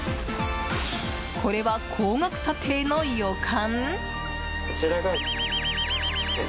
これは高額査定の予感。